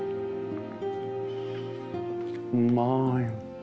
うまい。